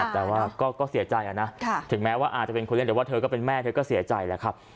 แต่ว่าก็เสียใจนะถึงแม้ว่าอาจจะเป็นคนเล่นแต่ว่าเธอก็เป็นแม่เธอก็เสียใจแล้วครับ